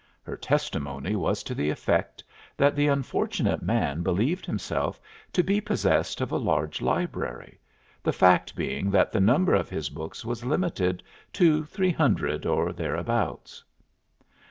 Her testimony was to the effect that the unfortunate man believed himself to be possessed of a large library, the fact being that the number of his books was limited to three hundred or thereabouts.